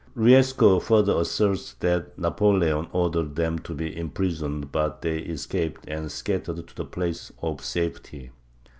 Riesco further asserts that Napoleon ordered them to be imprisoned, but they escaped and scattered to places of safety."